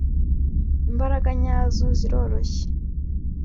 imbaraga nyazo ziroroshye